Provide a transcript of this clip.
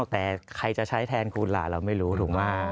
แต่ใครจะใช้แทนคุณล่ะเราไม่รู้ถูกไหม